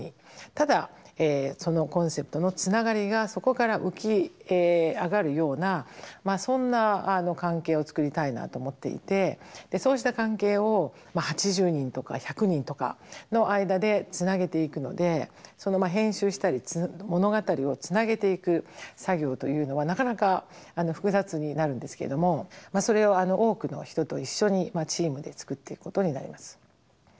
ただそのコンセプトのつながりがそこから浮き上がるようなそんな関係を作りたいなと思っていてそうした関係を８０人とか１００人とかの間でつなげていくのでその編集したり物語をつなげていく作業というのはなかなか複雑になるんですけどもそれを多くの人と一緒にチームで作っていくことになります。